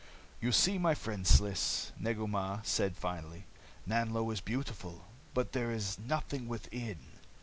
"You see, my friend Sliss," Negu Mah said finally, "Nanlo is beautiful, but there is nothing within.